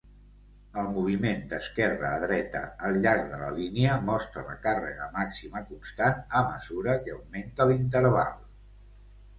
El moviment d'esquerra a dreta al llarg de la línia mostra la càrrega màxima constant a mesura que augmenta l'interval.